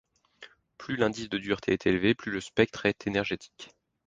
Plus l'indice de dureté est élevé, plus le spectre est énergétique.